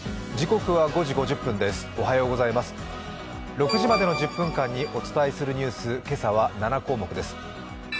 ６時までの１０分間にお伝えするニュース、今朝は７項目です。